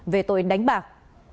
về tội đánh bạc